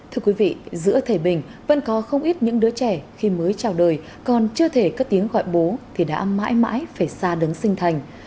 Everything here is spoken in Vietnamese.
thưa quý vị giữa thầy bình vẫn có không ít những đứa trẻ khi mới chào đời còn chưa thể cất tiếng gọi bố thì đã mãi mãi phải xa đấng sinh thành